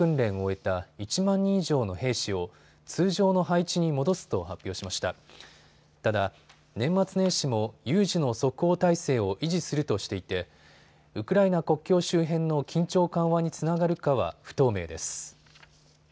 ただ年末年始も有事の即応態勢を維持するとしていてウクライナ国境周辺の緊張緩和につながるかは不透明です。